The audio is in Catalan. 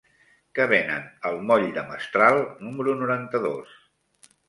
Què venen al moll de Mestral número noranta-dos?